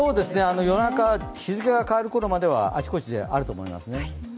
夜中、日付が変わる頃まではあちこちであると思いますね。